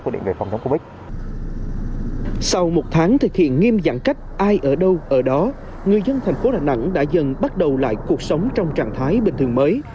sau một tháng thực hiện nghiêm giãn cách ai ở đâu ở đó người dân thành phố đà nẵng đã dần bắt đầu lại cuộc sống trong trạng thái bình thường mới